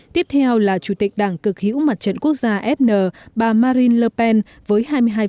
tiếp theo là chủ tịch đảng cực hữu mặt trận quốc gia fn bà marin le pen với hai mươi hai